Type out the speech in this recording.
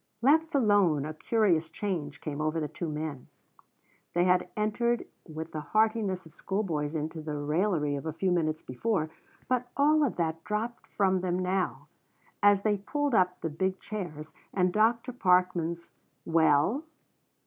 Left alone a curious change came over the two men. They had entered with the heartiness of schoolboys into the raillery of a few minutes before, but all of that dropped from them now, and as they pulled up the big chairs and Dr. Parkman's "Well?"